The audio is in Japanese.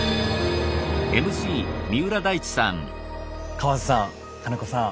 河津さん金子さん